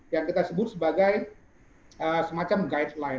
yang kita sebut sebagai semacam guideline